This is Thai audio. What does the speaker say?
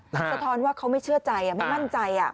สะท้อนว่าเขาไม่เชื่อใจไม่มั่นใจ